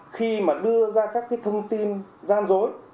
khi mà đưa ra các thông tin gian dối